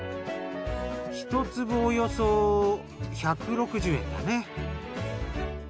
１粒およそ１６０円だね。